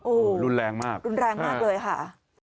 โอ้โหรุนแรงมากรุนแรงมากเลยค่ะ